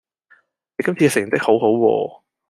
你今次嘅成績好好喎